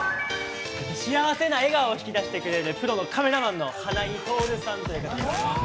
幸せな笑顔を引き出してくれるプロのカメラマンの花井透さんという方です。